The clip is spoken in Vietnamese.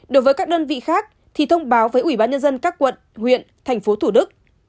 đối với các đơn vị khác thì thông báo với ủy ban nhân dân các quận huyện thành phố thủ đức